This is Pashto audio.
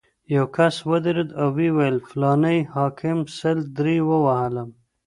یو کس ودرېد او ویې ویل: فلاني حاکم سل درې ووهلم.